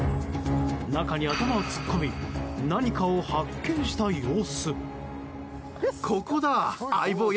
中に頭を突っ込み何かを発見した様子。